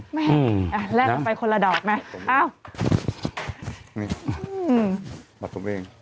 อืมอ่าแลกออกไปคนละดอกไหมอ้าวนี่อืมปัดตรงเอง